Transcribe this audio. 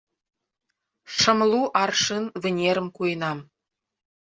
Шымлу аршын вынерым куэнам